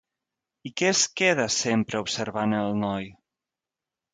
I què es queda sempre observant el noi?